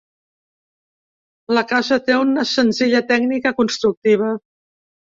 La casa té una senzilla tècnica constructiva.